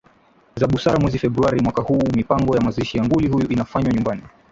za Busara mwezi Februari mwaka huu Mipango ya mazishi ya nguli huyu inafanywa nyumbani